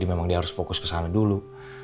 memang dia harus fokus ke sana dulu